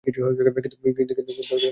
কিন্তু কোনো কথা বললেন না।